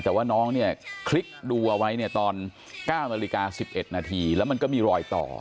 แต่ว่าน้องเนี่ยคลิกดูเอาไว้เนี่ยตอน๙นาฬิกา๑๑นาทีแล้วมันก็มีรอยต่อ